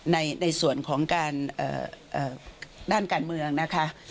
ในส่วนของการด้านการเมืองนะคะ